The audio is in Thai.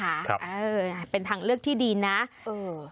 เออเป็นทางเลือกที่ดีนะเออ